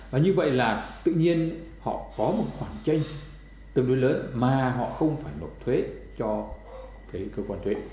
và như vậy là tự nhiên họ có một khoản tranh tương đối lớn mà họ không phải nộp thuế cho cái cơ quan thuế